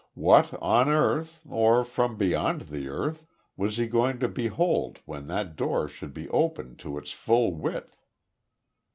What on earth or from beyond the earth was he going to behold when that door should be opened to its full width?